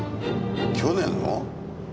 去年の？